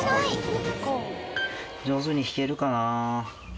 上手にひけるかな。